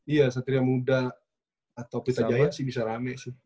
iya satria muda atau pita jaya sih bisa rame sih